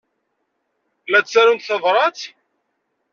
La ttarunt tabṛat?